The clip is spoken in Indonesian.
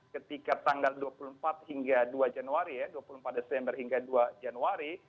ketika tanggal dua puluh empat hingga dua januari ya dua puluh empat desember hingga dua januari